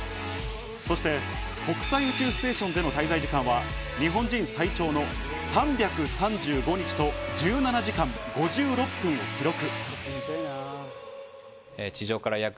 そして国際宇宙ステーションでの滞在時間は日本人最長の３３５日と１７時間５６分を記録。